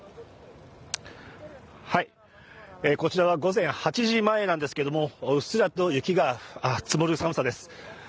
こちらは午前８時前なんですけどうっすらと雪が積もる寒さです。